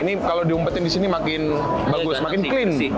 ini kalau diumpetin di sini makin bagus makin clean sih